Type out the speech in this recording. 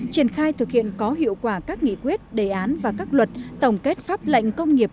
triển khai thực hiện có hiệu quả các nghị quyết đề án và các luật tổng kết pháp lệnh công nghiệp